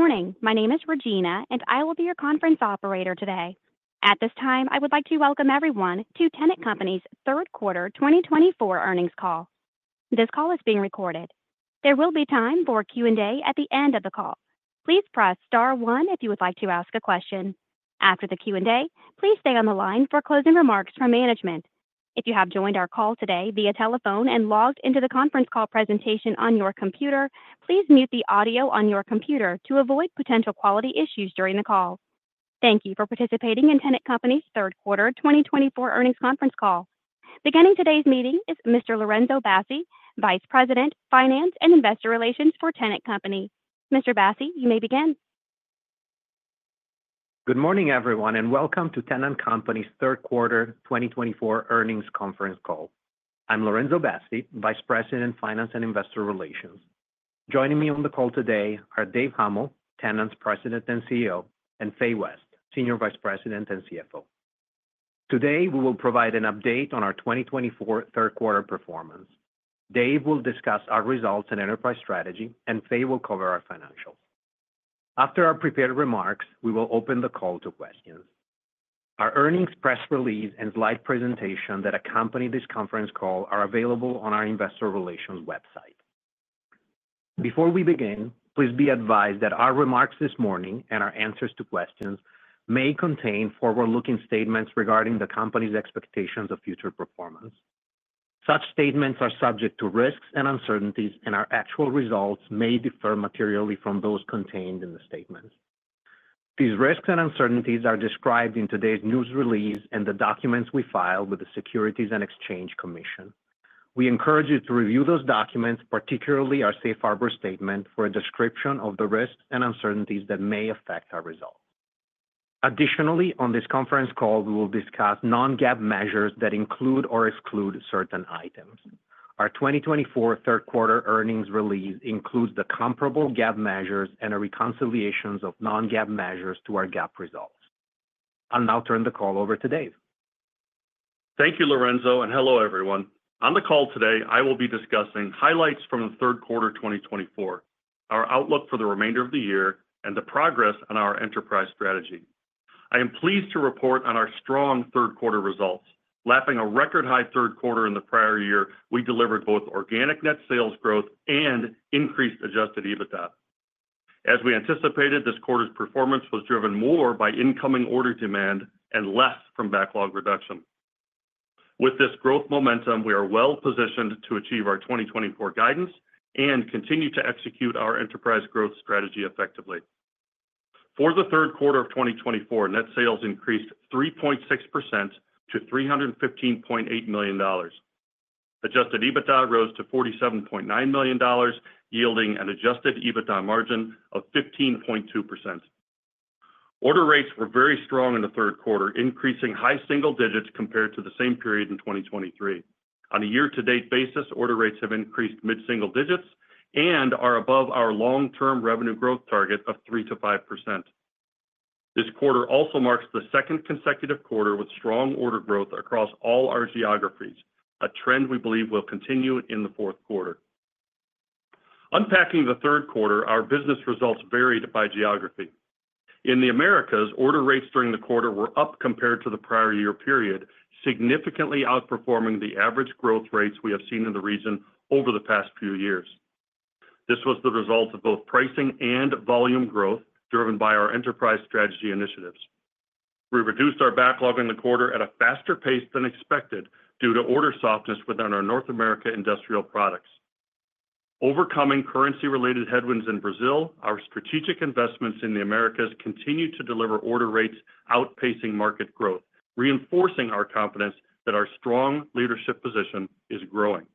Good morning. My name is Regina, and I will be your conference operator today. At this time, I would like to welcome everyone to Tennant Company's third quarter 2024 earnings call. This call is being recorded. There will be time for Q&A at the end of the call. Please press star one if you would like to ask a question. After the Q&A, please stay on the line for closing remarks from management. If you have joined our call today via telephone and logged into the conference call presentation on your computer, please mute the audio on your computer to avoid potential quality issues during the call. Thank you for participating in Tennant Company's third quarter 2024 earnings conference call. Beginning today's meeting is Mr. Lorenzo Bassi, Vice President, Finance and Investor Relations for Tennant Company. Mr. Bassi, you may begin. Good morning, everyone, and welcome to Tennant Company's third quarter 2024 earnings conference call. I'm Lorenzo Bassi, Vice President, Finance and Investor Relations. Joining me on the call today are Dave Huml, Tennant's President and CEO, and Fay West, Senior Vice President and CFO. Today, we will provide an update on our 2024 third quarter performance. Dave will discuss our results and enterprise strategy, and Fay will cover our financials. After our prepared remarks, we will open the call to questions. Our earnings press release and slide presentation that accompany this conference call are available on our Investor Relations website. Before we begin, please be advised that our remarks this morning and our answers to questions may contain forward-looking statements regarding the company's expectations of future performance. Such statements are subject to risks and uncertainties, and our actual results may differ materially from those contained in the statements. These risks and uncertainties are described in today's news release and the documents we filed with the Securities and Exchange Commission. We encourage you to review those documents, particularly our safe harbor statement, for a description of the risks and uncertainties that may affect our results. Additionally, on this conference call, we will discuss non-GAAP measures that include or exclude certain items. Our 2024 third quarter earnings release includes the comparable GAAP measures and reconciliations of non-GAAP measures to our GAAP results. I'll now turn the call over to Dave. Thank you, Lorenzo, and hello, everyone. On the call today, I will be discussing highlights from the third quarter 2024, our outlook for the remainder of the year, and the progress on our enterprise strategy. I am pleased to report on our strong third quarter results. Lapping a record high third quarter in the prior year, we delivered both organic net sales growth and increased adjusted EBITDA. As we anticipated, this quarter's performance was driven more by incoming order demand and less from backlog reduction. With this growth momentum, we are well positioned to achieve our 2024 guidance and continue to execute our enterprise growth strategy effectively. For the third quarter of 2024, net sales increased 3.6% to $315.8 million. Adjusted EBITDA rose to $47.9 million, yielding an adjusted EBITDA margin of 15.2%. Order rates were very strong in the third quarter, increasing high single digits compared to the same period in 2023. On a year-to-date basis, order rates have increased mid-single digits and are above our long-term revenue growth target of 3%-5%. This quarter also marks the second consecutive quarter with strong order growth across all our geographies, a trend we believe will continue in the fourth quarter. Unpacking the third quarter, our business results varied by geography. In the Americas, order rates during the quarter were up compared to the prior year period, significantly outperforming the average growth rates we have seen in the region over the past few years. This was the result of both pricing and volume growth driven by our enterprise strategy initiatives. We reduced our backlog in the quarter at a faster pace than expected due to order softness within our North America industrial products. Overcoming currency-related headwinds in Brazil, our strategic investments in the Americas continued to deliver order rates outpacing market growth, reinforcing our confidence that our strong leadership position is growing.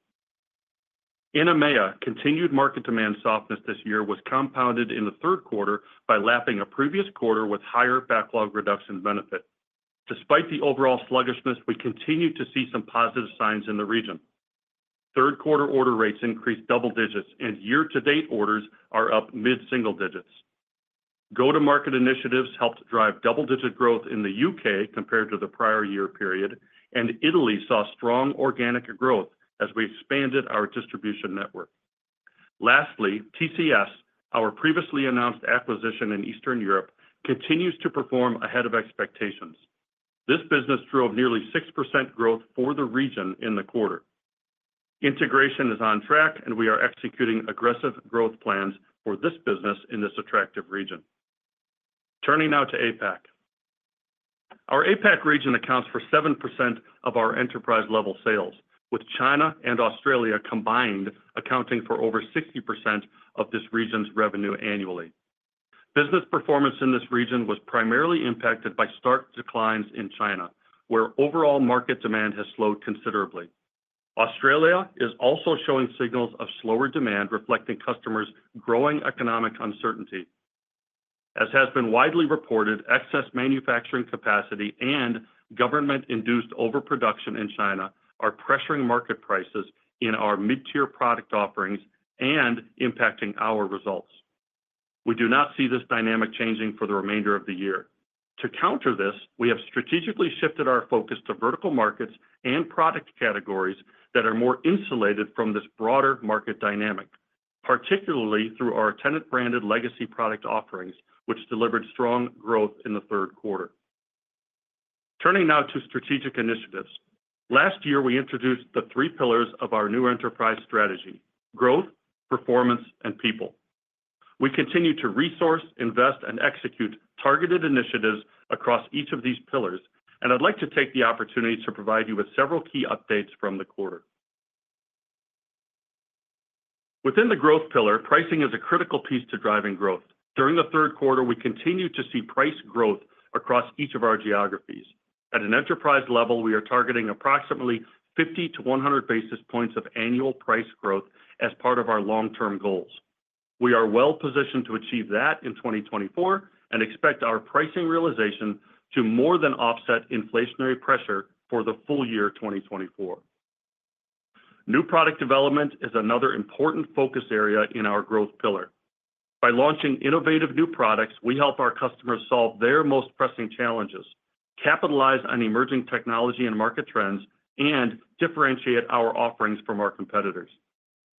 In EMEA, continued market demand softness this year was compounded in the third quarter by lapping a previous quarter with higher backlog reduction benefit. Despite the overall sluggishness, we continued to see some positive signs in the region. Third quarter order rates increased double digits, and year-to-date orders are up mid-single digits. Go-to-market initiatives helped drive double-digit growth in the U.K. compared to the prior year period, and Italy saw strong organic growth as we expanded our distribution network. Lastly, TCS, our previously announced acquisition in Eastern Europe, continues to perform ahead of expectations. This business drove nearly 6% growth for the region in the quarter. Integration is on track, and we are executing aggressive growth plans for this business in this attractive region. Turning now to APAC. Our APAC region accounts for 7% of our enterprise-level sales, with China and Australia combined accounting for over 60% of this region's revenue annually. Business performance in this region was primarily impacted by stark declines in China, where overall market demand has slowed considerably. Australia is also showing signals of slower demand, reflecting customers' growing economic uncertainty. As has been widely reported, excess manufacturing capacity and government-induced overproduction in China are pressuring market prices in our mid-tier product offerings and impacting our results. We do not see this dynamic changing for the remainder of the year. To counter this, we have strategically shifted our focus to vertical markets and product categories that are more insulated from this broader market dynamic, particularly through our Tennant-branded legacy product offerings, which delivered strong growth in the third quarter. Turning now to strategic initiatives. Last year, we introduced the three pillars of our new enterprise strategy: growth, performance, and people. We continue to resource, invest, and execute targeted initiatives across each of these pillars, and I'd like to take the opportunity to provide you with several key updates from the quarter. Within the growth pillar, pricing is a critical piece to driving growth. During the third quarter, we continue to see price growth across each of our geographies. At an enterprise level, we are targeting approximately 50 to 100 basis points of annual price growth as part of our long-term goals. We are well positioned to achieve that in 2024 and expect our pricing realization to more than offset inflationary pressure for the full year 2024. New product development is another important focus area in our growth pillar. By launching innovative new products, we help our customers solve their most pressing challenges, capitalize on emerging technology and market trends, and differentiate our offerings from our competitors.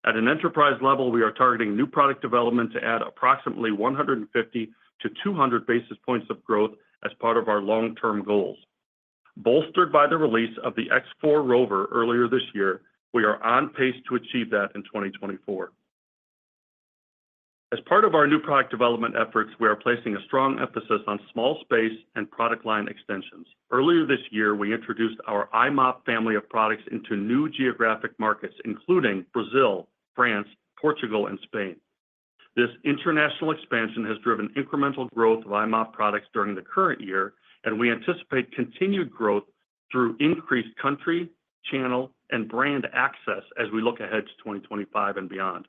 At an enterprise level, we are targeting new product development to add approximately 150 to 200 basis points of growth as part of our long-term goals. Bolstered by the release of the X4 ROVR earlier this year, we are on pace to achieve that in 2024. As part of our new product development efforts, we are placing a strong emphasis on small space and product line extensions. Earlier this year, we introduced our i-mop family of products into new geographic markets, including Brazil, France, Portugal, and Spain. This international expansion has driven incremental growth of i-mop products during the current year, and we anticipate continued growth through increased country, channel, and brand access as we look ahead to 2025 and beyond.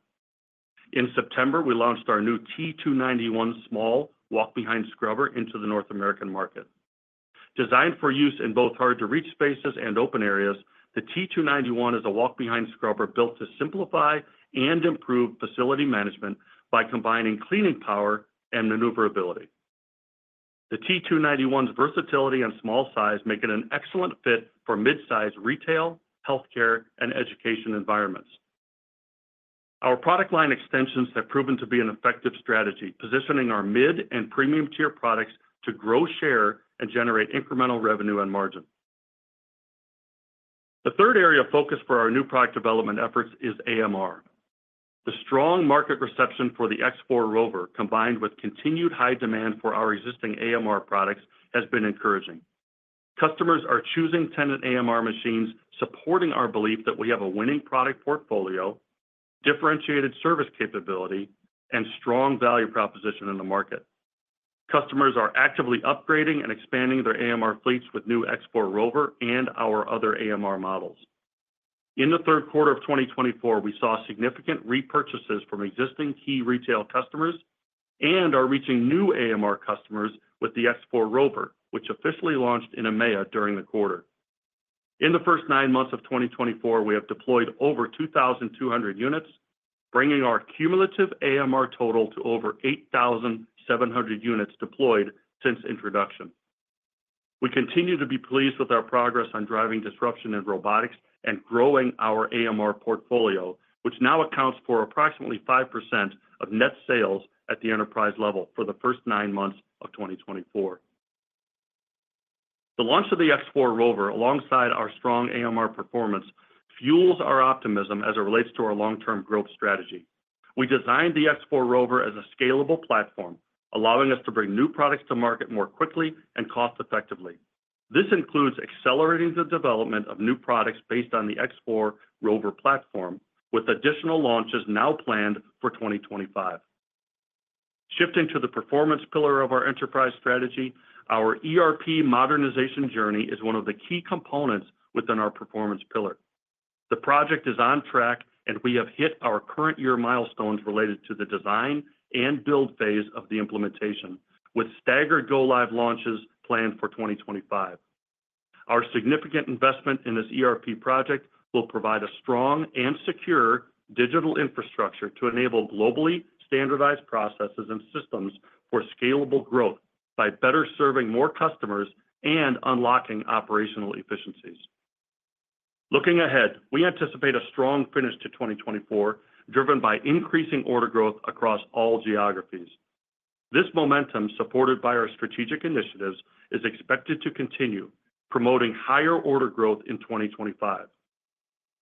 In September, we launched our new T291 small walk-behind scrubber into the North American market. Designed for use in both hard-to-reach spaces and open areas, the T291 is a walk-behind scrubber built to simplify and improve facility management by combining cleaning power and maneuverability. The T291's versatility and small size make it an excellent fit for mid-size retail, healthcare, and education environments. Our product line extensions have proven to be an effective strategy, positioning our mid and premium-tier products to grow share and generate incremental revenue and margin. The third area of focus for our new product development efforts is AMR. The strong market reception for the X4 ROVR, combined with continued high demand for our existing AMR products, has been encouraging. Customers are choosing Tennant AMR machines, supporting our belief that we have a winning product portfolio, differentiated service capability, and strong value proposition in the market. Customers are actively upgrading and expanding their AMR fleets with new X4 ROVR and our other AMR models. In the third quarter of 2024, we saw significant repurchases from existing key retail customers and are reaching new AMR customers with the X4 ROVR, which officially launched in EMEA during the quarter. In the first nine months of 2024, we have deployed over 2,200 units, bringing our cumulative AMR total to over 8,700 units deployed since introduction. We continue to be pleased with our progress on driving disruption in robotics and growing our AMR portfolio, which now accounts for approximately 5% of net sales at the enterprise level for the first nine months of 2024. The launch of the X4 ROVR, alongside our strong AMR performance, fuels our optimism as it relates to our long-term growth strategy. We designed the X4 ROVR as a scalable platform, allowing us to bring new products to market more quickly and cost-effectively. This includes accelerating the development of new products based on the X4 ROVR platform, with additional launches now planned for 2025. Shifting to the performance pillar of our enterprise strategy, our ERP modernization journey is one of the key components within our performance pillar. The project is on track, and we have hit our current year milestones related to the design and build phase of the implementation, with staggered go-live launches planned for 2025. Our significant investment in this ERP project will provide a strong and secure digital infrastructure to enable globally standardized processes and systems for scalable growth by better serving more customers and unlocking operational efficiencies. Looking ahead, we anticipate a strong finish to 2024, driven by increasing order growth across all geographies. This momentum, supported by our strategic initiatives, is expected to continue, promoting higher order growth in 2025.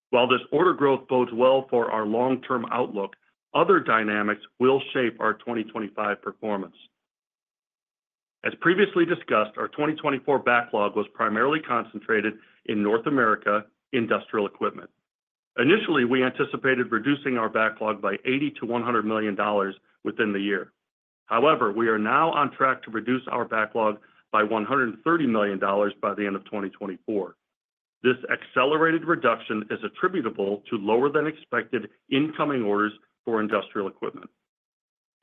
While this order growth bodes well for our long-term outlook, other dynamics will shape our 2025 performance. As previously discussed, our 2024 backlog was primarily concentrated in North America industrial equipment. Initially, we anticipated reducing our backlog by $80-$100 million within the year. However, we are now on track to reduce our backlog by $130 million by the end of 2024. This accelerated reduction is attributable to lower-than-expected incoming orders for industrial equipment.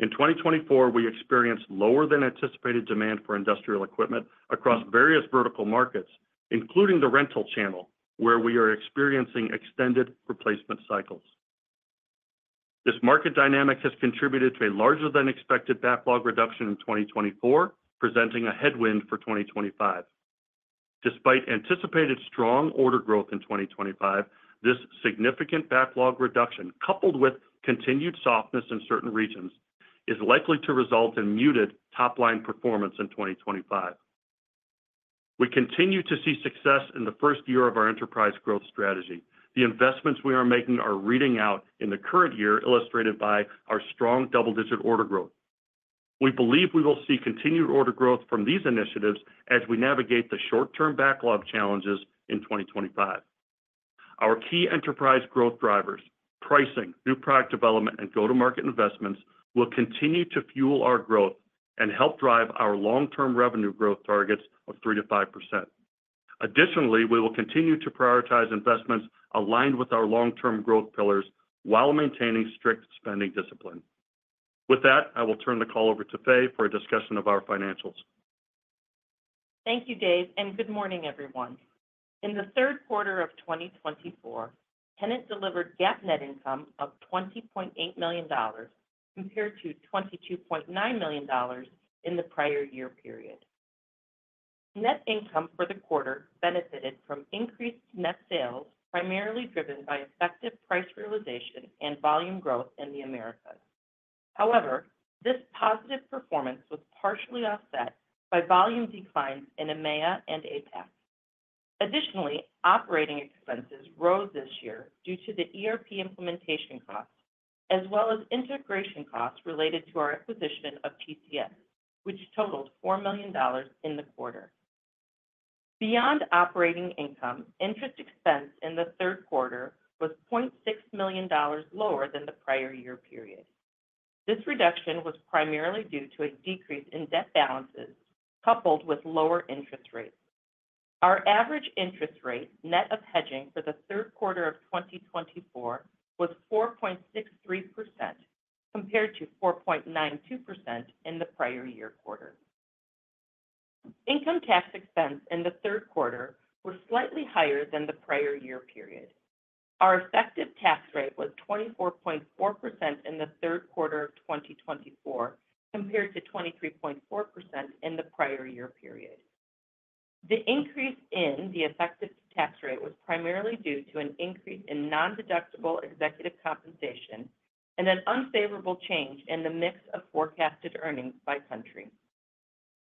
In 2024, we experienced lower-than-anticipated demand for industrial equipment across various vertical markets, including the rental channel, where we are experiencing extended replacement cycles. This market dynamic has contributed to a larger-than-expected backlog reduction in 2024, presenting a headwind for 2025. Despite anticipated strong order growth in 2025, this significant backlog reduction, coupled with continued softness in certain regions, is likely to result in muted top-line performance in 2025. We continue to see success in the first year of our enterprise growth strategy. The investments we are making are reading out in the current year, illustrated by our strong double-digit order growth. We believe we will see continued order growth from these initiatives as we navigate the short-term backlog challenges in 2025. Our key enterprise growth drivers, pricing, new product development, and go-to-market investments will continue to fuel our growth and help drive our long-term revenue growth targets of 3%-5%. Additionally, we will continue to prioritize investments aligned with our long-term growth pillars while maintaining strict spending discipline. With that, I will turn the call over to Fay for a discussion of our financials. Thank you, Dave, and good morning, everyone. In the third quarter of 2024, Tennant delivered GAAP net income of $20.8 million compared to $22.9 million in the prior year period. Net income for the quarter benefited from increased net sales, primarily driven by effective price realization and volume growth in the Americas. However, this positive performance was partially offset by volume declines in EMEA and APAC. Additionally, operating expenses rose this year due to the ERP implementation costs, as well as integration costs related to our acquisition of TCS, which totaled $4 million in the quarter. Beyond operating income, interest expense in the third quarter was $0.6 million lower than the prior year period. This reduction was primarily due to a decrease in debt balances coupled with lower interest rates. Our average interest rate net of hedging for the third quarter of 2024 was 4.63%, compared to 4.92% in the prior year quarter. Income tax expense in the third quarter was slightly higher than the prior year period. Our effective tax rate was 24.4% in the third quarter of 2024, compared to 23.4% in the prior year period. The increase in the effective tax rate was primarily due to an increase in non-deductible executive compensation and an unfavorable change in the mix of forecasted earnings by country.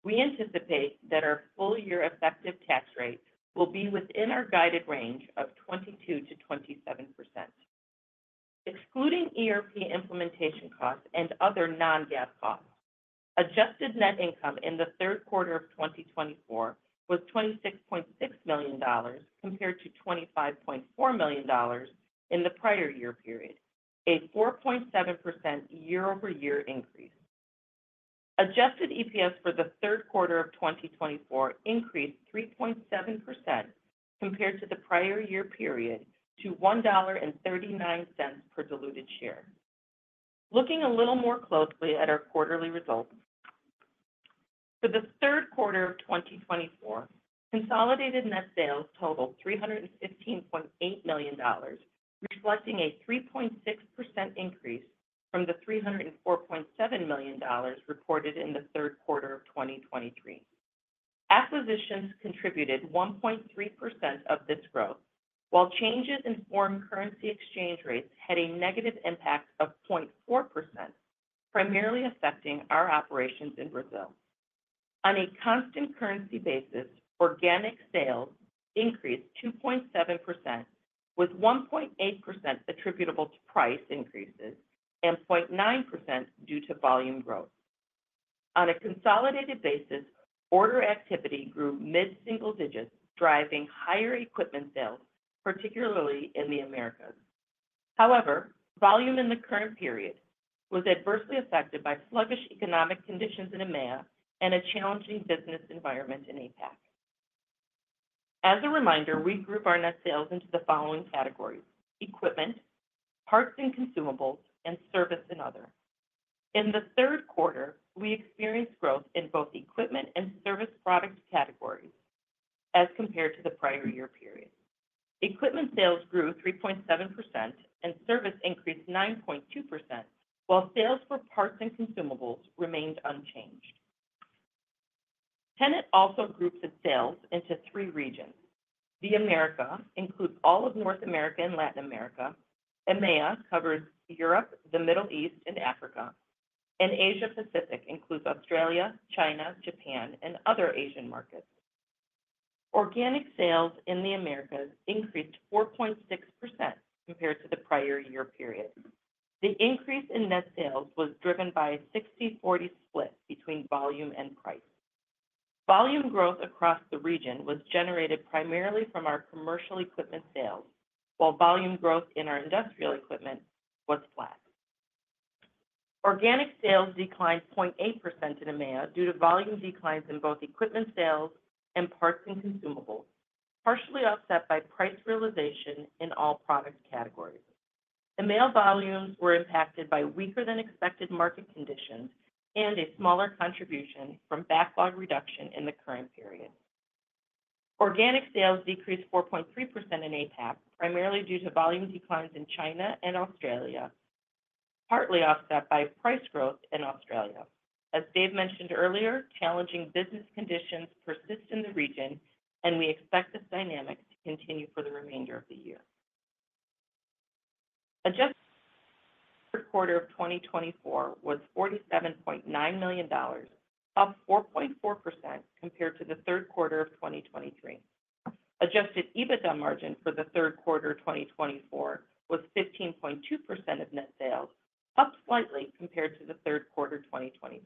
We anticipate that our full-year effective tax rate will be within our guided range of 22%-27%. Excluding ERP implementation costs and other non-GAAP costs, adjusted net income in the third quarter of 2024 was $26.6 million compared to $25.4 million in the prior year period, a 4.7% year-over-year increase. Adjusted EPS for the third quarter of 2024 increased 3.7% compared to the prior year period to $1.39 per diluted share. Looking a little more closely at our quarterly results, for the third quarter of 2024, consolidated net sales totaled $315.8 million, reflecting a 3.6% increase from the $304.7 million reported in the third quarter of 2023. Acquisitions contributed 1.3% of this growth, while changes in foreign currency exchange rates had a negative impact of 0.4%, primarily affecting our operations in Brazil. On a constant currency basis, organic sales increased 2.7%, with 1.8% attributable to price increases and 0.9% due to volume growth. On a consolidated basis, order activity grew mid-single digits, driving higher equipment sales, particularly in the Americas. However, volume in the current period was adversely affected by sluggish economic conditions in EMEA and a challenging business environment in APAC. As a reminder, we group our net sales into the following categories: equipment, parts and consumables, and service and other. In the third quarter, we experienced growth in both equipment and service product categories as compared to the prior year period. Equipment sales grew 3.7%, and service increased 9.2%, while sales for parts and consumables remained unchanged. Tennant also groups its sales into three regions. The Americas include all of North America and Latin America. EMEA covers Europe, the Middle East, and Africa, and Asia-Pacific includes Australia, China, Japan, and other Asian markets. Organic sales in the Americas increased 4.6% compared to the prior year period. The increase in net sales was driven by a 60/40 split between volume and price. Volume growth across the region was generated primarily from our commercial equipment sales, while volume growth in our industrial equipment was flat. Organic sales declined 0.8% in EMEA due to volume declines in both equipment sales and parts and consumables, partially offset by price realization in all product categories. EMEA volumes were impacted by weaker-than-expected market conditions and a smaller contribution from backlog reduction in the current period. Organic sales decreased 4.3% in APAC, primarily due to volume declines in China and Australia, partly offset by price growth in Australia. As Dave mentioned earlier, challenging business conditions persist in the region, and we expect this dynamic to continue for the remainder of the year. Adjusted EBITDA for the third quarter of 2024 was $47.9 million, up 4.4% compared to the third quarter of 2023. Adjusted EBITDA margin for the third quarter of 2024 was 15.2% of net sales, up slightly compared to the third quarter of 2023.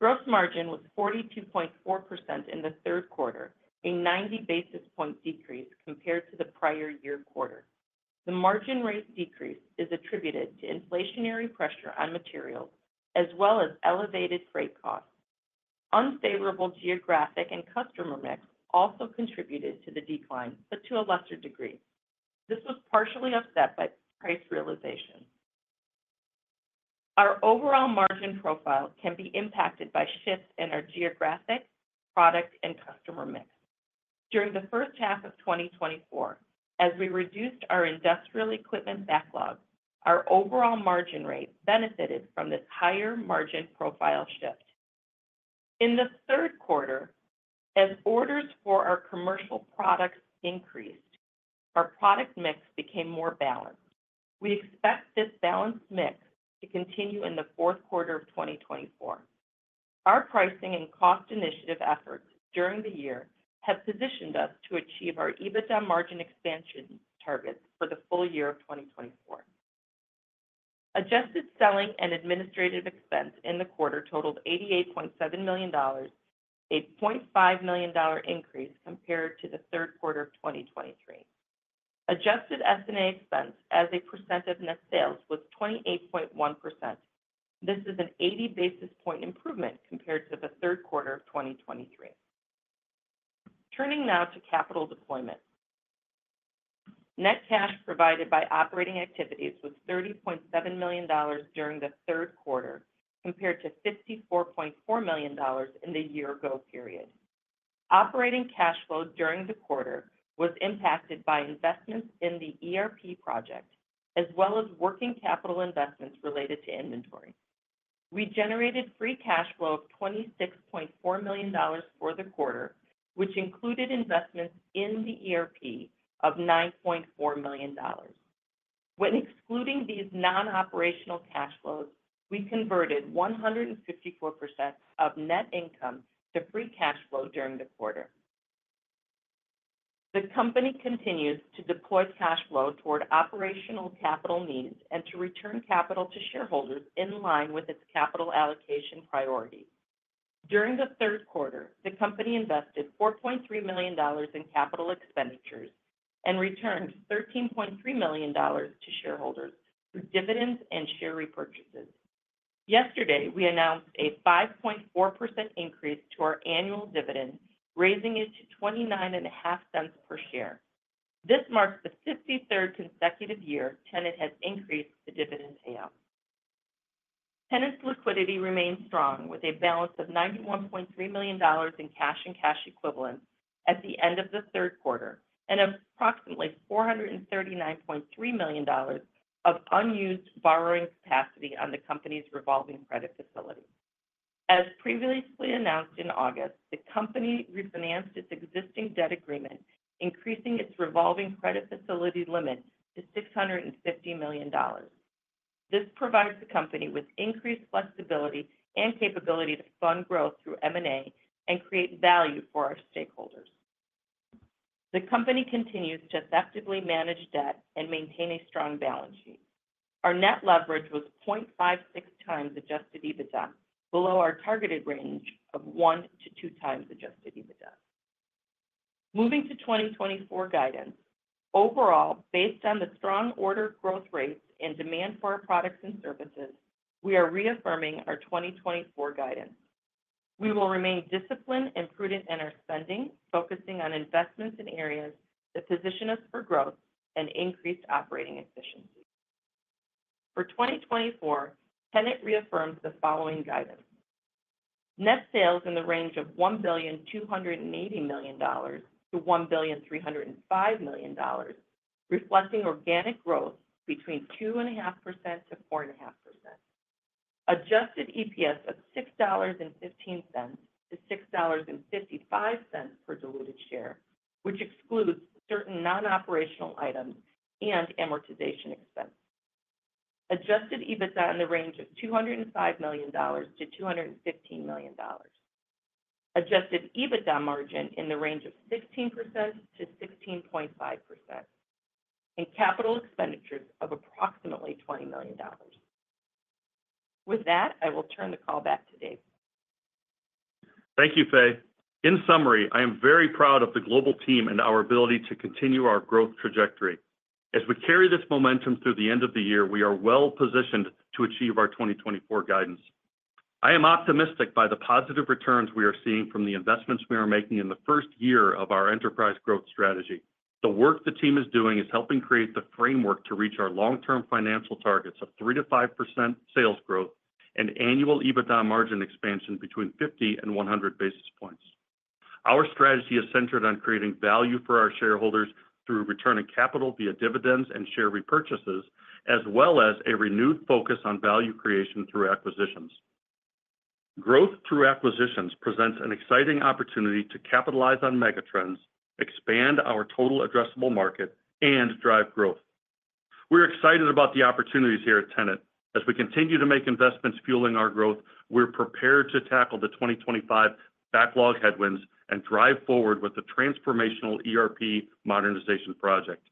Gross margin was 42.4% in the third quarter, a 90 basis points decrease compared to the prior year quarter. The margin rate decrease is attributed to inflationary pressure on materials, as well as elevated freight costs. Unfavorable geographic and customer mix also contributed to the decline, but to a lesser degree. This was partially offset by price realization. Our overall margin profile can be impacted by shifts in our geographic, product, and customer mix. During the first half of 2024, as we reduced our industrial equipment backlog, our overall margin rate benefited from this higher margin profile shift. In the third quarter, as orders for our commercial products increased, our product mix became more balanced. We expect this balanced mix to continue in the fourth quarter of 2024. Our pricing and cost initiative efforts during the year have positioned us to achieve our EBITDA margin expansion targets for the full year of 2024. Adjusted selling and administrative expense in the quarter totaled $88.7 million, a $0.5 million increase compared to the third quarter of 2023. Adjusted S&A expense as a percent of net sales was 28.1%. This is an 80 basis point improvement compared to the third quarter of 2023. Turning now to capital deployment. Net cash provided by operating activities was $30.7 million during the third quarter, compared to $54.4 million in the year-ago period. Operating cash flow during the quarter was impacted by investments in the ERP project, as well as working capital investments related to inventory. We generated free cash flow of $26.4 million for the quarter, which included investments in the ERP of $9.4 million. When excluding these non-operational cash flows, we converted 154% of net income to free cash flow during the quarter. The company continues to deploy cash flow toward operational capital needs and to return capital to shareholders in line with its capital allocation priority. During the third quarter, the company invested $4.3 million in capital expenditures and returned $13.3 million to shareholders through dividends and share repurchases. Yesterday, we announced a 5.4% increase to our annual dividend, raising it to $0.29 per share. This marks the 53rd consecutive year Tennant has increased the dividend payout. Tennant's liquidity remained strong, with a balance of $91.3 million in cash and cash equivalents at the end of the third quarter and approximately $439.3 million of unused borrowing capacity on the company's revolving credit facility. As previously announced in August, the company refinanced its existing debt agreement, increasing its revolving credit facility limit to $650 million. This provides the company with increased flexibility and capability to fund growth through M&A and create value for our stakeholders. The company continues to effectively manage debt and maintain a strong balance sheet. Our net leverage was 0.56x adjusted EBITDA, below our targeted range of 1x-2x adjusted EBITDA. Moving to 2024 guidance, overall, based on the strong order growth rates and demand for our products and services, we are reaffirming our 2024 guidance. We will remain disciplined and prudent in our spending, focusing on investments in areas that position us for growth and increased operating efficiency. For 2024, Tennant reaffirmed the following guidance: net sales in the range of $1,280 million-$1,305 million, reflecting organic growth between 2.5%-4.5%. Adjusted EPS of $6.15-$6.55 per diluted share, which excludes certain non-operational items and amortization expense. Adjusted EBITDA in the range of $205 million-$215 million. Adjusted EBITDA margin in the range of 16%-16.5%, and capital expenditures of approximately $20 million. With that, I will turn the call back to Dave. Thank you, Fay. In summary, I am very proud of the global team and our ability to continue our growth trajectory. As we carry this momentum through the end of the year, we are well positioned to achieve our 2024 guidance. I am optimistic by the positive returns we are seeing from the investments we are making in the first year of our enterprise growth strategy. The work the team is doing is helping create the framework to reach our long-term financial targets of 3%-5% sales growth and annual EBITDA margin expansion between 50 and 100 basis points. Our strategy is centered on creating value for our shareholders through return of capital via dividends and share repurchases, as well as a renewed focus on value creation through acquisitions. Growth through acquisitions presents an exciting opportunity to capitalize on megatrends, expand our total addressable market, and drive growth. We're excited about the opportunities here at Tennant. As we continue to make investments fueling our growth, we're prepared to tackle the 2025 backlog headwinds and drive forward with the transformational ERP modernization project.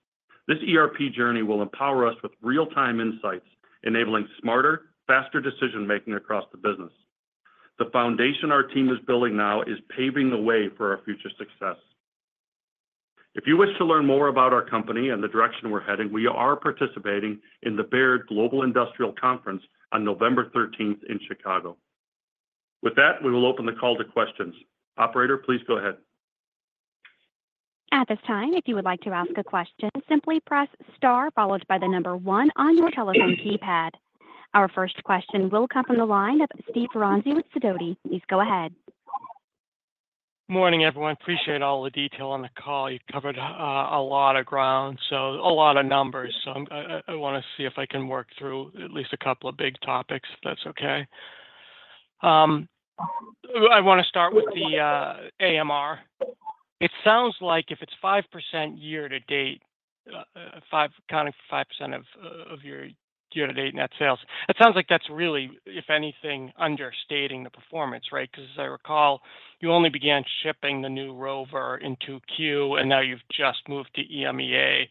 This ERP journey will empower us with real-time insights, enabling smarter, faster decision-making across the business. The foundation our team is building now is paving the way for our future success. If you wish to learn more about our company and the direction we're heading, we are participating in the Baird Global Industrial Conference on November 13th in Chicago. With that, we will open the call to questions. Operator, please go ahead. At this time, if you would like to ask a question, simply press star followed by the number one on your telephone keypad. Our first question will come from the line of Steve Ferazani with Sidoti. Please go ahead. Morning, everyone. Appreciate all the detail on the call. You covered a lot of ground, so a lot of numbers. So I want to see if I can work through at least a couple of big topics, if that's okay. I want to start with the AMR. It sounds like if it's 5% year to date, accounting for 5% of your year-to-date net sales, it sounds like that's really, if anything, understating the performance, right? Because as I recall, you only began shipping the new ROVR in 2Q, and now you've just moved to EMEA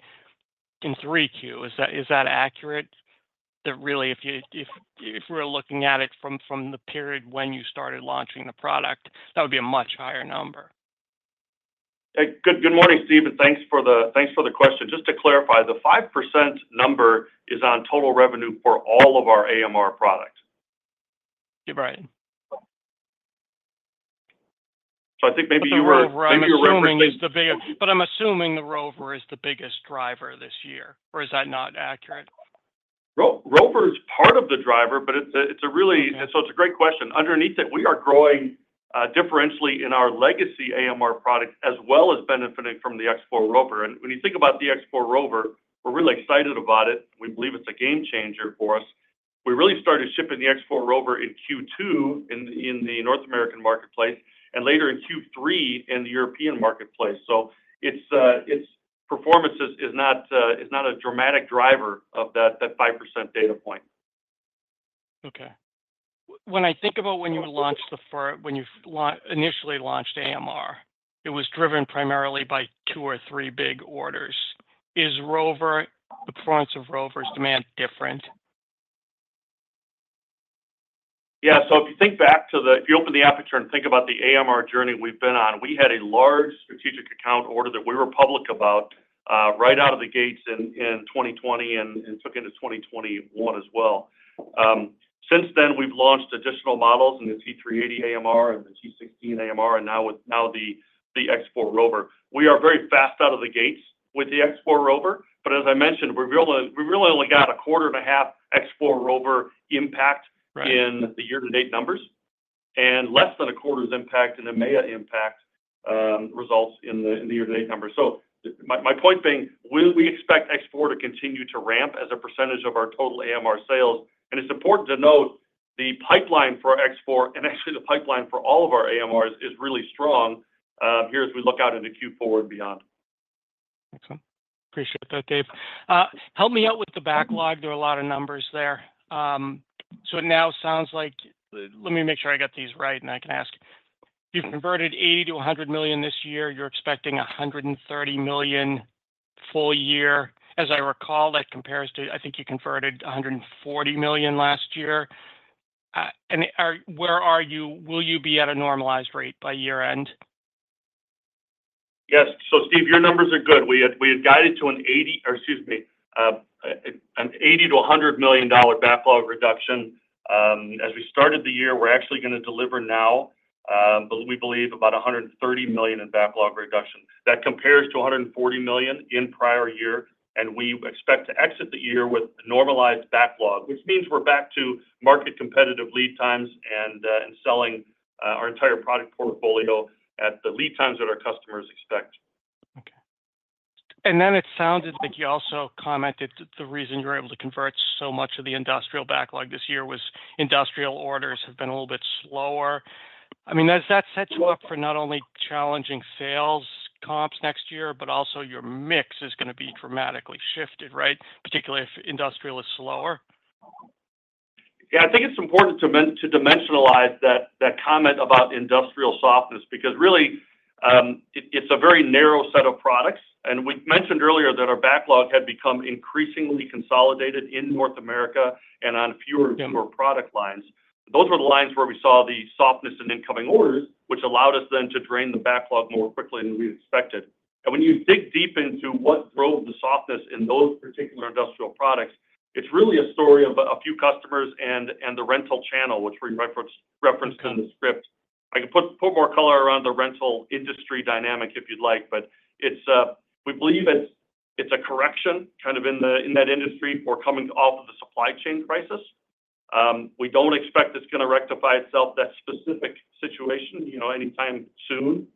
in 3Q. Is that accurate? Really, if we're looking at it from the period when you started launching the product, that would be a much higher number. Good morning, Steve, and thanks for the question. Just to clarify, the 5% number is on total revenue for all of our AMR products. You're right. So I think maybe you were referencing. But I'm assuming the ROVR is the biggest driver this year, or is that not accurate? ROVR is part of the driver, but it's really, so it's a great question. Underneath it, we are growing differentially in our legacy AMR product, as well as benefiting from the X4 ROVR. And when you think about the X4 ROVR, we're really excited about it. We believe it's a game changer for us. We really started shipping the X4 ROVR in Q2 in the North American marketplace and later in Q3 in the European marketplace. So its performance is not a dramatic driver of that 5% data point. Okay. When I think about when you initially launched AMR, it was driven primarily by two or three big orders. Is ROVR, the performance of ROVR's demand different? Yeah. So if you think back to the APAC and think about the AMR journey we've been on, we had a large strategic account order that we were public about right out of the gates in 2020 and took into 2021 as well. Since then, we've launched additional models in the T380 AMR and the T16 AMR and now the X4 ROVR. We are very fast out of the gates with the X4 ROVR, but as I mentioned, we've really only got a quarter and a half X4 ROVR impact in the year-to-date numbers and less than a quarter's impact in EMEA impact results in the year-to-date numbers. So my point being, we expect X4 to continue to ramp as a percentage of our total AMR sales. And it's important to note the pipeline for X4, and actually the pipeline for all of our AMRs, is really strong here as we look out into Q4 and beyond. Excellent. Appreciate that, Dave. Help me out with the backlog. There are a lot of numbers there. So it now sounds like, let me make sure I got these right, and I can ask, you've converted $80-$100 million this year. You're expecting $130 million full year. As I recall, that compares to, I think you converted $140 million last year. And where are you? Will you be at a normalized rate by year-end? Yes. So Steve, your numbers are good. We had guided to an $80, or excuse me, an $80-$100 million backlog reduction. As we started the year, we're actually going to deliver now, we believe, about $130 million in backlog reduction. That compares to $140 million in prior year, and we expect to exit the year with normalized backlog, which means we're back to market competitive lead times and selling our entire product portfolio at the lead times that our customers expect. Okay. And then it sounded like you also commented that the reason you were able to convert so much of the industrial backlog this year was industrial orders have been a little bit slower. I mean, does that set you up for not only challenging sales comps next year, but also your mix is going to be dramatically shifted, right? Particularly if industrial is slower? Yeah. I think it's important to dimensionalize that comment about industrial softness because really it's a very narrow set of products. And we mentioned earlier that our backlog had become increasingly consolidated in North America and on fewer and fewer product lines. Those were the lines where we saw the softness in incoming orders, which allowed us then to drain the backlog more quickly than we expected. And when you dig deep into what drove the softness in those particular industrial products, it's really a story of a few customers and the rental channel, which we referenced in the script. I can put more color around the rental industry dynamic if you'd like, but we believe it's a correction kind of in that industry for coming off of the supply chain crisis. We don't expect it's going to rectify itself, that specific situation, anytime soon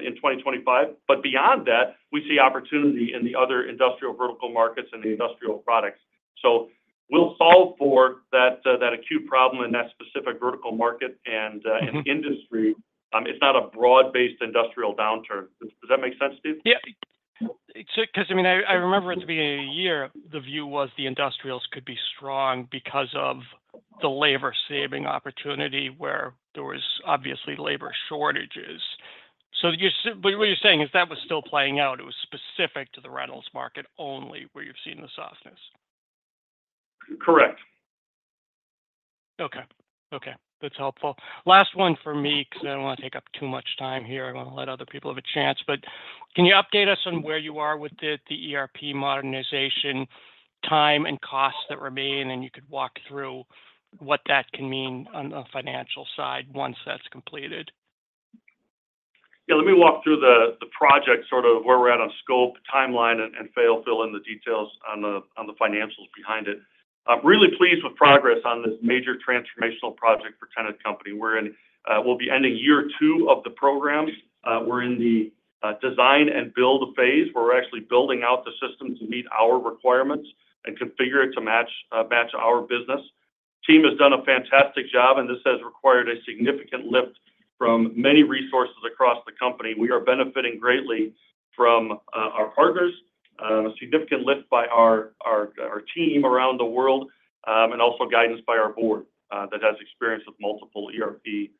in 2025. But beyond that, we see opportunity in the other industrial vertical markets and the industrial products. So we'll solve for that acute problem in that specific vertical market and industry. It's not a broad-based industrial downturn. Does that make sense, Steve? Yeah. Because I mean, I remember at the beginning of the year, the view was the industrials could be strong because of the labor-saving opportunity where there was obviously labor shortages. So what you're saying is that was still playing out. It was specific to the rentals market only where you've seen the softness. Correct. Okay. Okay. That's helpful. Last one for me because I don't want to take up too much time here. I want to let other people have a chance. But can you update us on where you are with the ERP modernization time and costs that remain, and you could walk through what that can mean on the financial side once that's completed? Yeah. Let me walk through the project, sort of where we're at on scope, timeline, and I'll fill in the details on the financials behind it. I'm really pleased with progress on this major transformational project for Tennant Company. We'll be ending year two of the program. We're in the design and build phase where we're actually building out the system to meet our requirements and configure it to match our business. The team has done a fantastic job, and this has required a significant lift from many resources across the company. We are benefiting greatly from our partners, a significant lift by our team around the world, and also guidance by our board that has experience with multiple ERP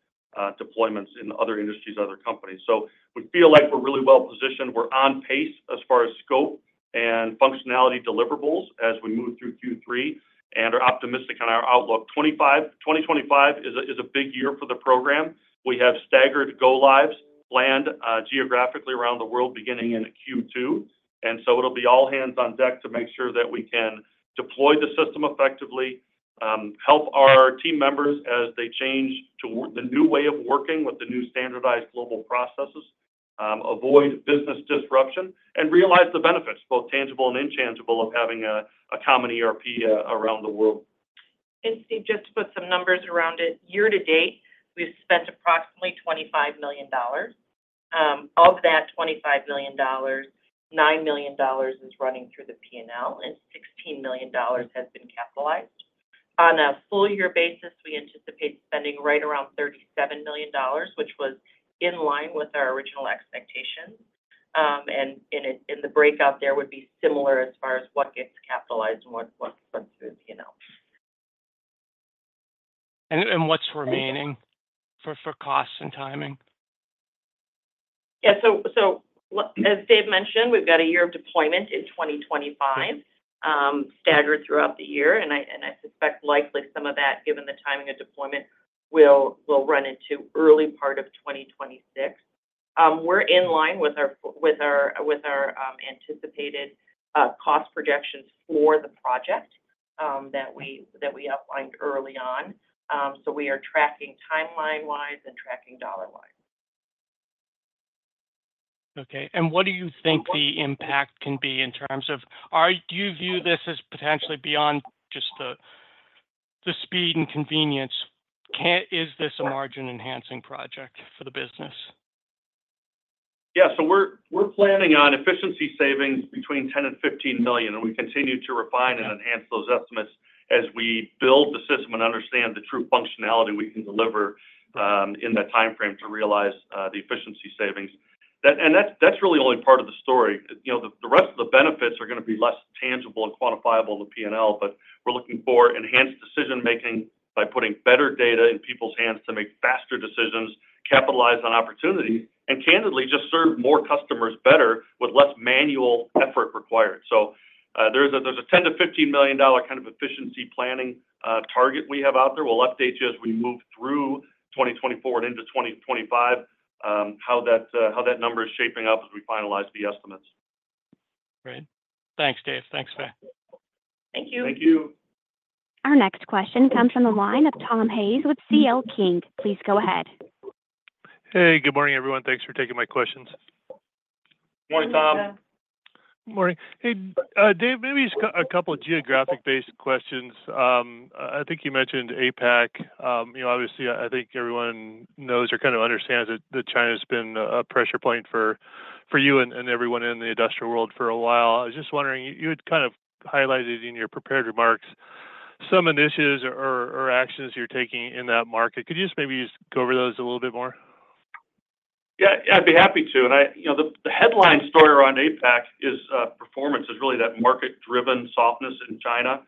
deployments in other industries, other companies. So we feel like we're really well positioned. We're on pace as far as scope and functionality deliverables as we move through Q3 and are optimistic on our outlook. 2025 is a big year for the program. We have staggered go-lives planned geographically around the world beginning in Q2. And so it'll be all hands on deck to make sure that we can deploy the system effectively, help our team members as they change to the new way of working with the new standardized global processes, avoid business disruption, and realize the benefits, both tangible and intangible, of having a common ERP around the world. And Steve, just to put some numbers around it, year-to-date, we've spent approximately $25 million. Of that $25 million, $9 million is running through the P&L, and $16 million has been capitalized. On a full-year basis, we anticipate spending right around $37 million, which was in line with our original expectations. And the breakout there would be similar as far as what gets capitalized and what's put through the P&L. And what's remaining for costs and timing? Yeah. So as Dave mentioned, we've got a year of deployment in 2025, staggered throughout the year. I suspect likely some of that, given the timing of deployment, will run into early part of 2026. We're in line with our anticipated cost projections for the project that we outlined early on. So we are tracking timeline-wise and tracking dollar-wise. Okay. And what do you think the impact can be in terms of do you view this as potentially beyond just the speed and convenience? Is this a margin-enhancing project for the business? Yeah. So we're planning on efficiency savings between $10 and $15 million, and we continue to refine and enhance those estimates as we build the system and understand the true functionality we can deliver in that timeframe to realize the efficiency savings. And that's really only part of the story. The rest of the benefits are going to be less tangible and quantifiable in the P&L, but we're looking for enhanced decision-making by putting better data in people's hands to make faster decisions, capitalize on opportunities, and candidly, just serve more customers better with less manual effort required. So there's a $10-$15 million kind of efficiency planning target we have out there. We'll update you as we move through 2024 and into 2025 how that number is shaping up as we finalize the estimates. Great. Thanks, Dave. Thanks, Fay. Thank you. Thank you. Our next question comes from the line of Tom Hayes with C.L. King. Please go ahead. Hey. Good morning, everyone. Thanks for taking my questions. Good morning, Tom. Good morning. Hey, Dave, maybe just a couple of geographic-based questions. I think you mentioned APAC. Obviously, I think everyone knows or kind of understands that China has been a pressure point for you and everyone in the industrial world for a while. I was just wondering, you had kind of highlighted in your prepared remarks some initiatives or actions you're taking in that market? Could you just maybe just go over those a little bit more? Yeah. I'd be happy to. And the headline story around APAC is performance is really that market-driven softness in China.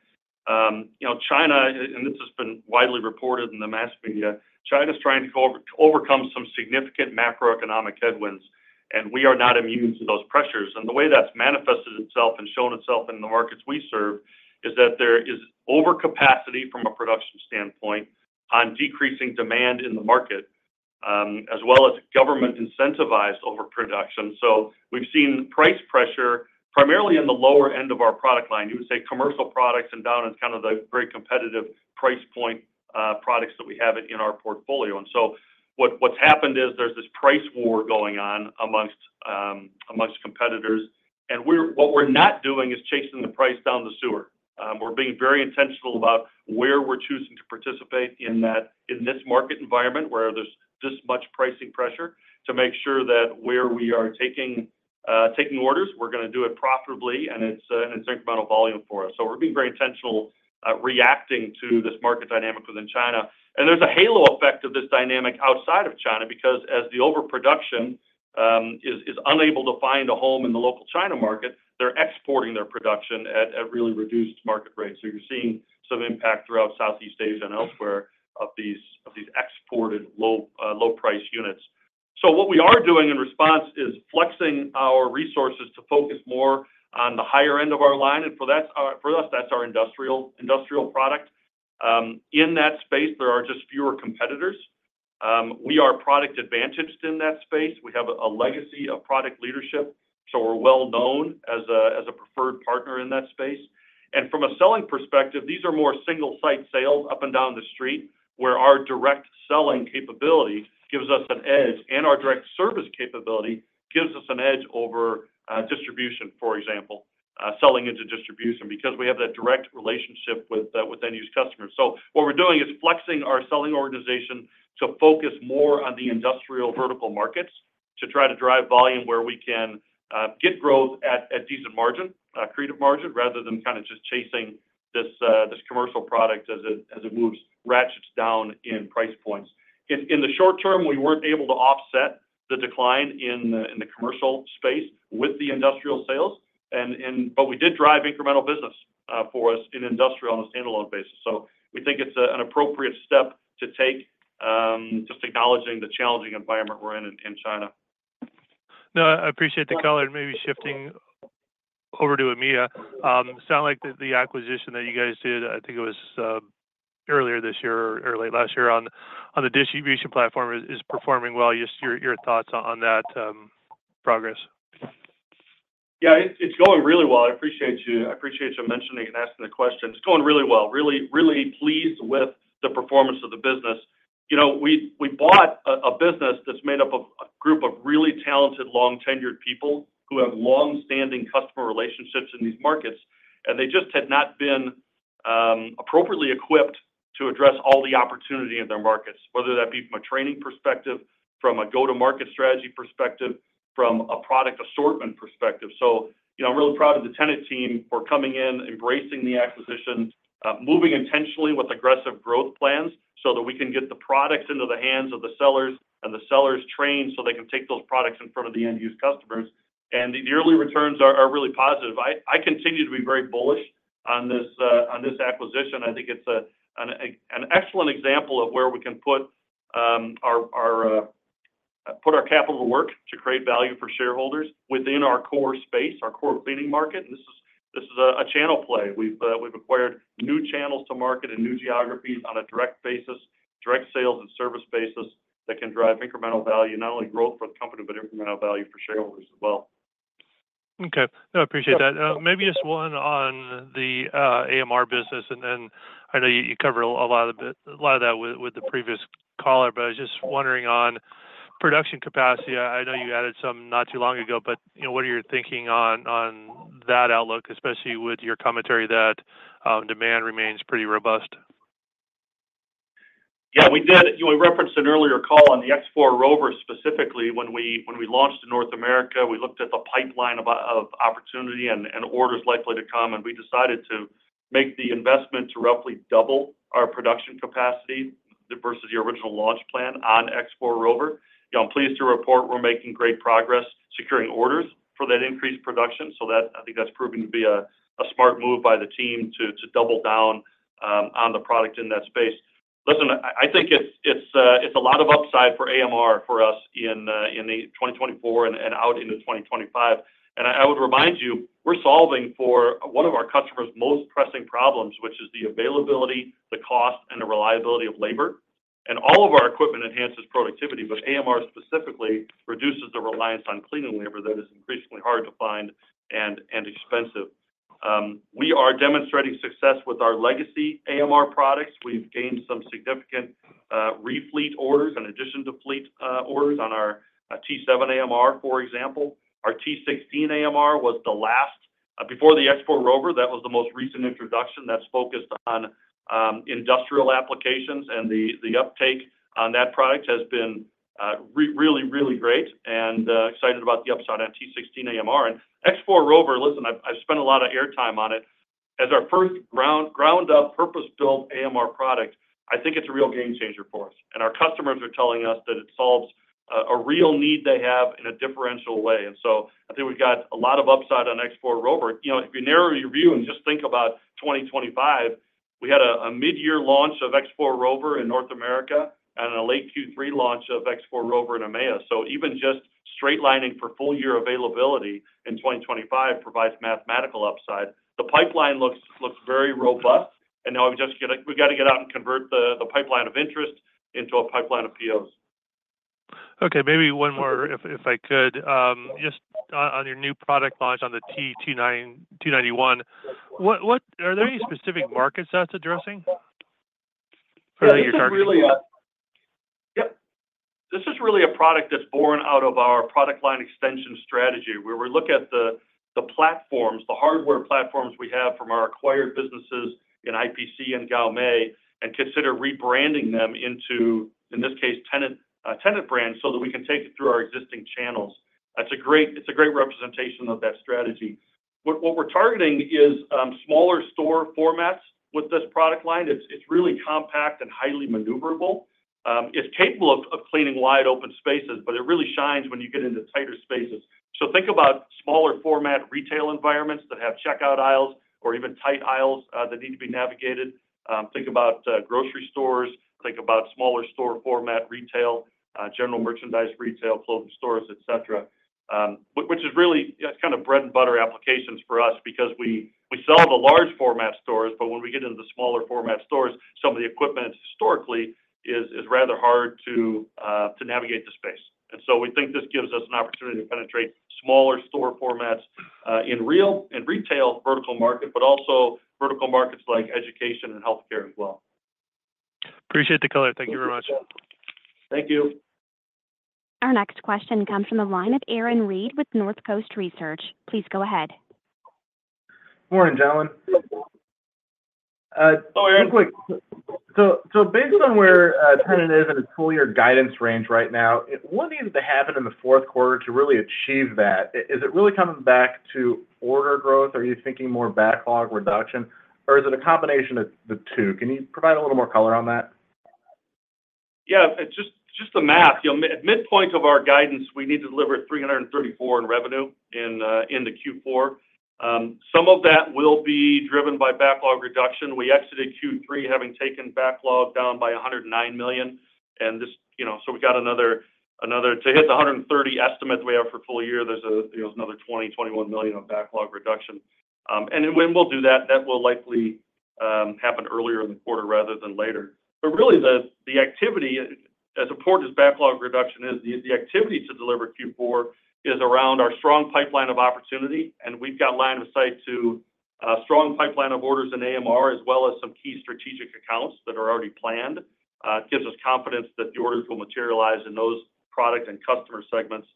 And this has been widely reported in the mass media. China's trying to overcome some significant macroeconomic headwinds, and we are not immune to those pressures. And the way that's manifested itself and shown itself in the markets we serve is that there is overcapacity from a production standpoint on decreasing demand in the market, as well as government-incentivized overproduction. So we've seen price pressure primarily in the lower end of our product line. You would say commercial products and down in kind of the very competitive price point products that we have in our portfolio. And so what's happened is there's this price war going on amongst competitors. And what we're not doing is chasing the price down the sewer. We're being very intentional about where we're choosing to participate in this market environment where there's this much pricing pressure to make sure that where we are taking orders, we're going to do it profitably and in incremental volume for us. So we're being very intentional reacting to this market dynamic within China. And there's a halo effect of this dynamic outside of China because as the overproduction is unable to find a home in the local China market, they're exporting their production at really reduced market rates. So you're seeing some impact throughout Southeast Asia and elsewhere of these exported low-price units. So what we are doing in response is flexing our resources to focus more on the higher end of our line. And for us, that's our industrial product. In that space, there are just fewer competitors. We are product-advantaged in that space. We have a legacy of product leadership, so we're well-known as a preferred partner in that space. And from a selling perspective, these are more single-site sales up and down the street where our direct selling capability gives us an edge and our direct service capability gives us an edge over distribution, for example, selling into distribution because we have that direct relationship with end-use customers. So what we're doing is flexing our selling organization to focus more on the industrial vertical markets to try to drive volume where we can get growth at decent margin, attractive margin, rather than kind of just chasing this commercial product as it moves ratchets down in price points. In the short term, we weren't able to offset the decline in the commercial space with the industrial sales, but we did drive incremental business for us in industrial on a standalone basis. So we think it's an appropriate step to take just acknowledging the challenging environment we're in in China. No, I appreciate the color and maybe shifting over to EMEA. Sounds like the acquisition that you guys did, I think it was earlier this year or early last year on the distribution platform, is performing well. Just your thoughts on that progress? Yeah. It's going really well. I appreciate you mentioning and asking the question. It's going really well. Really, really pleased with the performance of the business. We bought a business that's made up of a group of really talented, long-tenured people who have long-standing customer relationships in these markets, and they just had not been appropriately equipped to address all the opportunity in their markets, whether that be from a training perspective, from a go-to-market strategy perspective, from a product assortment perspective. So I'm really proud of the Tennant team for coming in, embracing the acquisition, moving intentionally with aggressive growth plans so that we can get the products into the hands of the sellers and the sellers trained so they can take those products in front of the end-use customers, and the early returns are really positive. I continue to be very bullish on this acquisition. I think it's an excellent example of where we can put our capital to work to create value for shareholders within our core space, our core cleaning market, and this is a channel play. We've acquired new channels to market in new geographies on a direct basis, direct sales and service basis that can drive incremental value, not only growth for the company, but incremental value for shareholders as well. Okay. No, I appreciate that. Maybe just one on the AMR business, and I know you covered a lot of that with the previous caller, but I was just wondering on production capacity. I know you added some not too long ago, but what are your thinking on that outlook, especially with your commentary that demand remains pretty robust? Yeah. We did. We referenced an earlier call on the X4 ROVR specifically. When we launched in North America, we looked at the pipeline of opportunity and orders likely to come, and we decided to make the investment to roughly double our production capacity versus the original launch plan on X4 ROVR. I'm pleased to report we're making great progress securing orders for that increased production. So I think that's proving to be a smart move by the team to double down on the product in that space. Listen, I think it's a lot of upside for AMR for us in 2024 and out into 2025. And I would remind you, we're solving for one of our customers' most pressing problems, which is the availability, the cost, and the reliability of labor. And all of our equipment enhances productivity, but AMR specifically reduces the reliance on cleaning labor that is increasingly hard to find and expensive. We are demonstrating success with our legacy AMR products. We've gained some significant refleet orders in addition to fleet orders on our T7 AMR, for example. Our T16 AMR was the last before the X4 ROVR, that was the most recent introduction that's focused on industrial applications, and the uptake on that product has been really, really great, and excited about the upside on T16 AMR and X4 ROVR, listen, I've spent a lot of airtime on it. As our first ground-up purpose-built AMR product, I think it's a real game changer for us, and our customers are telling us that it solves a real need they have in a differential way, and so I think we've got a lot of upside on X4 ROVR. If you narrow your view and just think about 2025, we had a mid-year launch of X4 ROVR in North America and a late Q3 launch of X4 ROVR in EMEA. So even just straightlining for full-year availability in 2025 provides mathematical upside. The pipeline looks very robust. And now we got to get out and convert the pipeline of interest into a pipeline of POs. Okay. Maybe one more, if I could, just on your new product launch on the T291. Are there any specific markets that's addressing? Or are they your target? Yep. This is really a product that's born out of our product line extension strategy, where we look at the platforms, the hardware platforms we have from our acquired businesses in IPC and Gaomei and consider rebranding them into, in this case, Tennant brand so that we can take it through our existing channels. It's a great representation of that strategy. What we're targeting is smaller store formats with this product line. It's really compact and highly maneuverable. It's capable of cleaning wide open spaces, but it really shines when you get into tighter spaces. So think about smaller format retail environments that have checkout aisles or even tight aisles that need to be navigated. Think about grocery stores. Think about smaller store format retail, general merchandise retail, clothing stores, etc., which is really kind of bread-and-butter applications for us because we sell the large format stores. But when we get into the smaller format stores, some of the equipment historically is rather hard to navigate the space. And so we think this gives us an opportunity to penetrate smaller store formats in the retail vertical market, but also vertical markets like education and healthcare as well. Appreciate the color. Thank you very much. Thank you. Our next question comes from the line of Aaron Reed with Northcoast Research. Please go ahead. Good morning, gentlemen. Hello, Aaron. So based on where Tennant is in its full-year guidance range right now, what needed to happen in the fourth quarter to really achieve that? Is it really coming back to order growth? Are you thinking more backlog reduction? Or is it a combination of the two? Can you provide a little more color on that? Yeah. Just the math. At midpoint of our guidance, we need to deliver $334 million in revenue in the Q4. Some of that will be driven by backlog reduction. We exited Q3, having taken backlog down by $109 million. And so we've got another to hit the $130 million estimate we have for full year, there's another $20-$21 million of backlog reduction. And when we'll do that, that will likely happen earlier in the quarter rather than later. But really, the activity, as important as backlog reduction is, the activity to deliver Q4 is around our strong pipeline of opportunity. And we've got line of sight to a strong pipeline of orders in AMR, as well as some key strategic accounts that are already planned. It gives us confidence that the orders will materialize in those product and customer segments.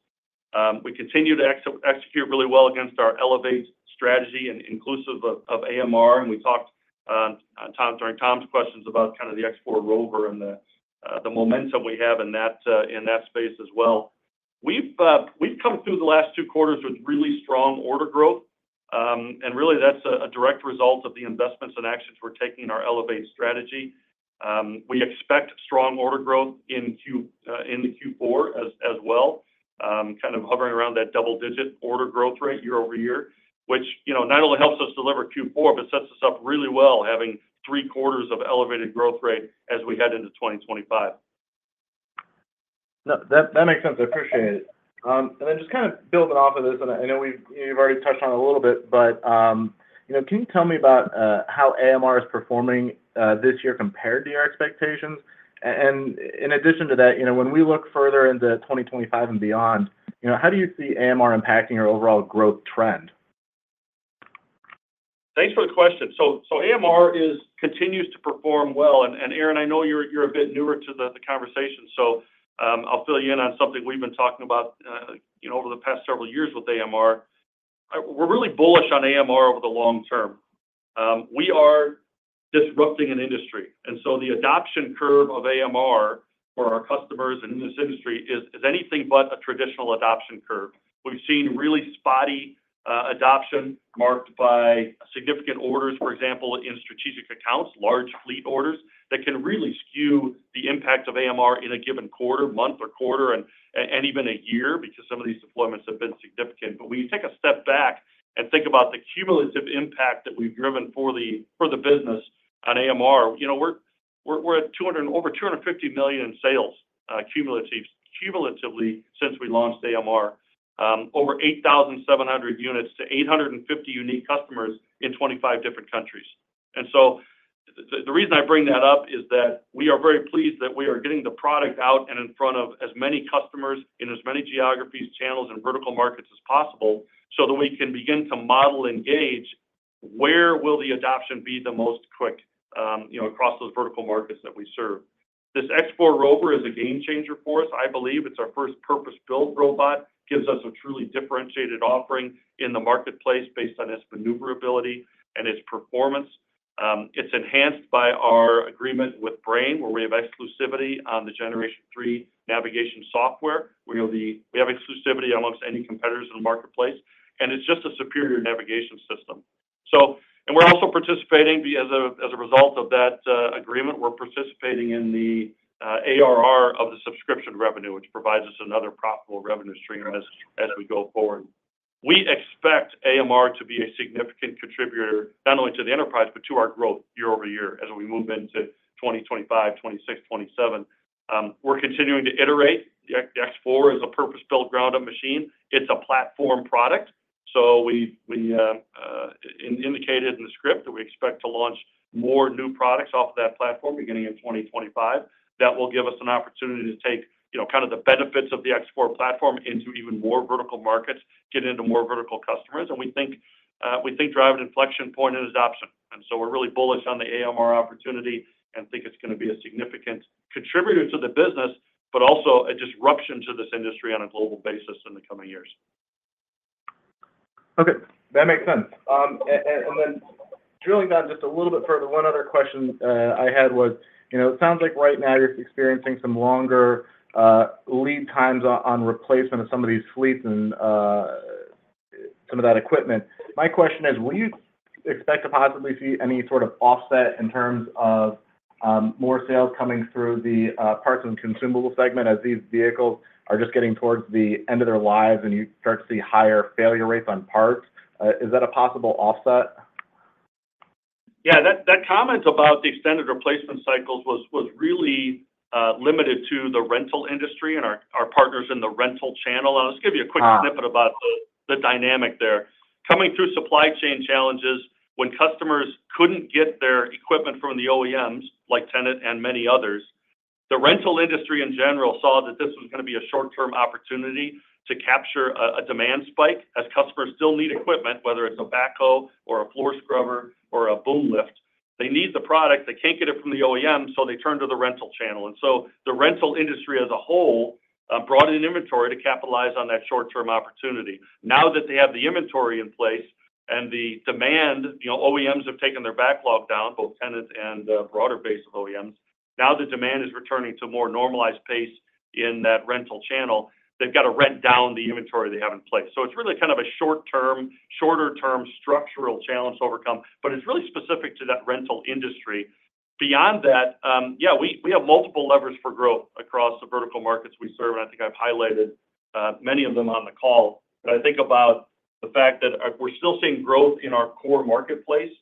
We continue to execute really well against our Elevate strategy and inclusive of AMR. And we talked during Tom's questions about kind of the X4 ROVR and the momentum we have in that space as well. We've come through the last two quarters with really strong order growth. And really, that's a direct result of the investments and actions we're taking in our Elevate strategy. We expect strong order growth in the Q4 as well, kind of hovering around that double-digit order growth rate year over year, which not only helps us deliver Q4, but sets us up really well having three quarters of elevated growth rate as we head into 2025. That makes sense. I appreciate it. And then just kind of building off of this, and I know we've already touched on it a little bit, but can you tell me about how AMR is performing this year compared to your expectations? And in addition to that, when we look further into 2025 and beyond, how do you see AMR impacting your overall growth trend? Thanks for the question. So AMR continues to perform well. Aaron, I know you're a bit newer to the conversation, so I'll fill you in on something we've been talking about over the past several years with AMR. We're really bullish on AMR over the long term. We are disrupting an industry. The adoption curve of AMR for our customers in this industry is anything but a traditional adoption curve. We've seen really spotty adoption marked by significant orders, for example, in strategic accounts, large fleet orders that can really skew the impact of AMR in a given quarter, month, or even a year because some of these deployments have been significant. But when you take a step back and think about the cumulative impact that we've driven for the business on AMR, we're at over $250 million in sales cumulatively since we launched AMR, over 8,700 units to 850 unique customers in 25 different countries. And so the reason I bring that up is that we are very pleased that we are getting the product out and in front of as many customers in as many geographies, channels, and vertical markets as possible so that we can begin to model and gauge where will the adoption be the most quick across those vertical markets that we serve. This X4 ROVR is a game changer for us. I believe it's our first purpose-built robot. It gives us a truly differentiated offering in the marketplace based on its maneuverability and its performance. It's enhanced by our agreement with Brain, where we have exclusivity on the Generation 3 navigation software. We have exclusivity amongst any competitors in the marketplace. And it's just a superior navigation system. And we're also participating as a result of that agreement. We're participating in the ARR of the subscription revenue, which provides us another profitable revenue stream as we go forward. We expect AMR to be a significant contributor, not only to the enterprise, but to our growth year over year as we move into 2025, 2026, 2027. We're continuing to iterate. The X4 is a purpose-built ground-up machine. It's a platform product. So we indicated in the script that we expect to launch more new products off of that platform beginning in 2025. That will give us an opportunity to take kind of the benefits of the X4 platform into even more vertical markets, get into more vertical customers. And we think driving inflection point in adoption. And so we're really bullish on the AMR opportunity and think it's going to be a significant contributor to the business, but also a disruption to this industry on a global basis in the coming years. Okay. That makes sense. And then drilling down just a little bit further, one other question I had was, it sounds like right now you're experiencing some longer lead times on replacement of some of these fleets and some of that equipment. My question is, will you expect to possibly see any sort of offset in terms of more sales coming through the parts and consumable segment as these vehicles are just getting towards the end of their lives and you start to see higher failure rates on parts? Is that a possible offset? Yeah. That comment about the extended replacement cycles was really limited to the rental industry and our partners in the rental channel. I'll just give you a quick snippet about the dynamic there. Coming through supply chain challenges, when customers couldn't get their equipment from the OEMs like Tennant and many others, the rental industry in general saw that this was going to be a short-term opportunity to capture a demand spike as customers still need equipment, whether it's a backhoe or a floor scrubber or a boom lift. They need the product. They can't get it from the OEM, so they turn to the rental channel. And so the rental industry as a whole brought in inventory to capitalize on that short-term opportunity. Now that they have the inventory in place and the demand, OEMs have taken their backlog down, both Tennant and broader base of OEMs. Now the demand is returning to a more normalized pace in that rental channel. They've got to rent down the inventory they have in place. So it's really kind of a shorter-term structural challenge to overcome, but it's really specific to that rental industry. Beyond that, yeah, we have multiple levers for growth across the vertical markets we serve. And I think I've highlighted many of them on the call. But I think about the fact that we're still seeing growth in our core marketplace.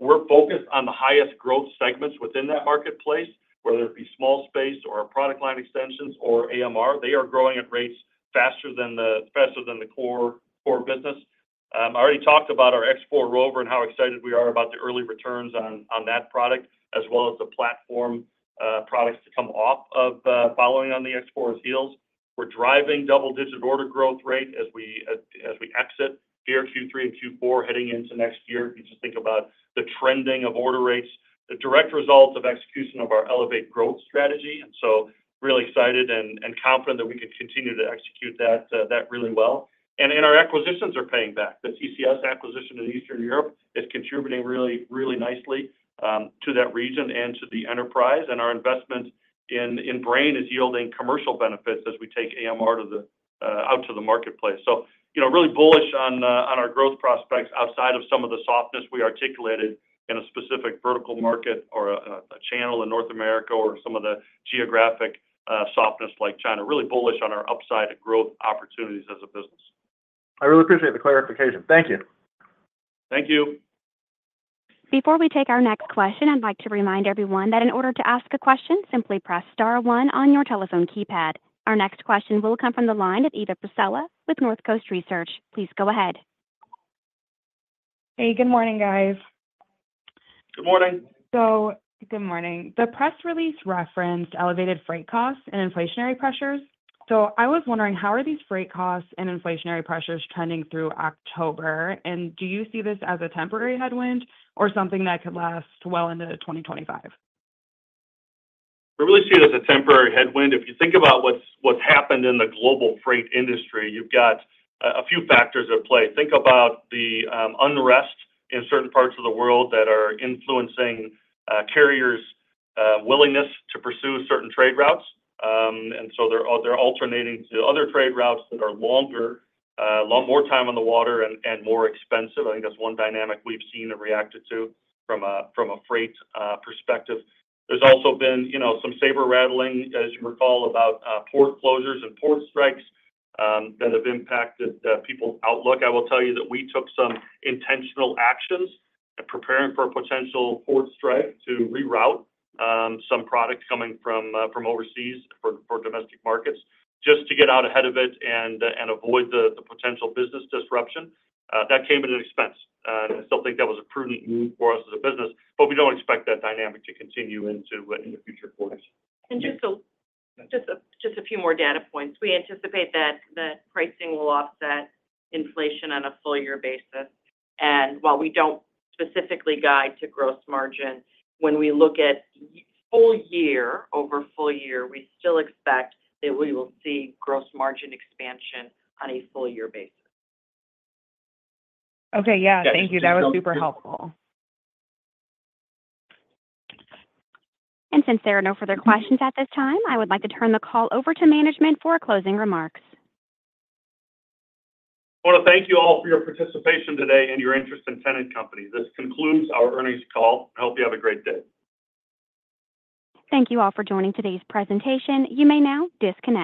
We're focused on the highest growth segments within that marketplace, whether it be small space or product line extensions or AMR. They are growing at rates faster than the core business. I already talked about our X4 ROVR and how excited we are about the early returns on that product, as well as the platform products to come off of following on the X4 ROVR's heels. We're driving double-digit order growth rate as we exit year Q3 and Q4 heading into next year. You just think about the trending of order rates, the direct result of execution of our elevate growth strategy. And so really excited and confident that we can continue to execute that really well. And our acquisitions are paying back. The TCS acquisition in Eastern Europe is contributing really, really nicely to that region and to the enterprise. And our investment in Brain is yielding commercial benefits as we take AMR out to the marketplace. So really bullish on our growth prospects outside of some of the softness we articulated in a specific vertical market or a channel in North America or some of the geographic softness like China. Really bullish on our upside growth opportunities as a business. I really appreciate the clarification. Thank you. Thank you. Before we take our next question, I'd like to remind everyone that in order to ask a question, simply press star one on your telephone keypad. Our next question will come from the line of Edith Priscilla with North Coast Research. Please go ahead. Hey, good morning, guys. Good morning. So good morning. The press release referenced elevated freight costs and inflationary pressures. So I was wondering, how are these freight costs and inflationary pressures trending through October? Do you see this as a temporary headwind or something that could last well into 2025? We really see it as a temporary headwind. If you think about what's happened in the global freight industry, you've got a few factors at play. Think about the unrest in certain parts of the world that are influencing carriers' willingness to pursue certain trade routes. And so they're alternating to other trade routes that are longer, more time on the water, and more expensive. I think that's one dynamic we've seen and reacted to from a freight perspective. There's also been some saber rattling, as you recall, about port closures and port strikes that have impacted people's outlook. I will tell you that we took some intentional actions in preparing for a potential port strike to reroute some products coming from overseas for domestic markets just to get out ahead of it and avoid the potential business disruption. That came at an expense, and I still think that was a prudent move for us as a business, but we don't expect that dynamic to continue into the future quarters. And just a few more data points. We anticipate that pricing will offset inflation on a full-year basis, and while we don't specifically guide to gross margin, when we look at full year over full year, we still expect that we will see gross margin expansion on a full-year basis. Okay. Yeah. Thank you. That was super helpful. Since there are no further questions at this time, I would like to turn the call over to management for closing remarks. I want to thank you all for your participation today and your interest in Tennant Company. This concludes our earnings call. I hope you have a great day. Thank you all for joining today's presentation. You may now disconnect.